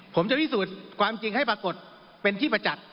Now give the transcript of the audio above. ผมจะพิสูจน์ความจริงให้ปรากฏเป็นที่ประจักษ์